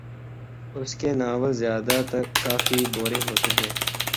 اس کے ناولزیادہ ت کافی بورنگ ہوتے ہے